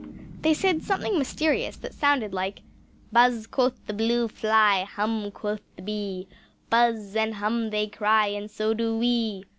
They said something mysterious that sounded like "Buz, quoth the blue fly, hum, quoth the bee, Buz and hum they cry, and so do we!"